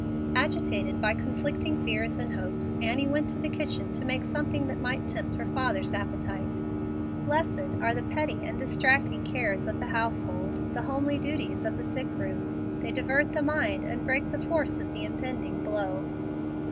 Agitated by conflicting fears and hopes Annie went to the kitchen to make something that might tempt her father's appetite. Blessed are the petty and distracting cares of the household, the homely duties of the sick room. They divert the mind and break the force of the impending blow.